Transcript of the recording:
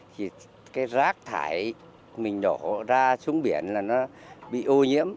thì cái rác thải mình đổ ra xuống biển là nó bị ô nhiễm